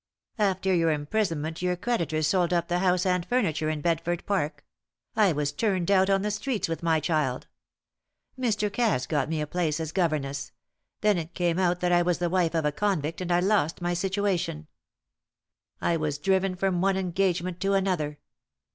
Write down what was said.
After your imprisonment your creditors sold up the house and furniture in Bedford park; I was turned out on the streets with my child. Mr. Cass got me a place as governess; then it came out that I was the wife of a convict, and I lost the situation. I was driven from one engagement to another.